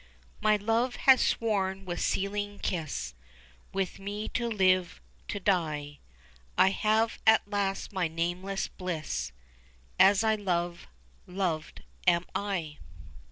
"My love has sworn with sealing kiss With me to live to die; I have at last my nameless bliss As I love, loved am I."